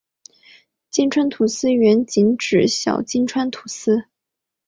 金川土司原仅指小金川土司。